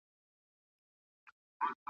د اقتصادي ثبات د پرمختګ شرط دی.